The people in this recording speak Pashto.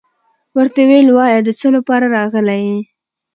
ورته يې ويل وايه دڅه لپاره راغلى يي.